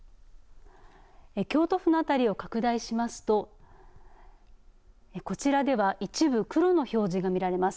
京都府の辺りを拡大しますとこちらでは一部、黒の表示が見られます。